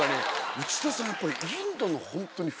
内田さんやっぱり。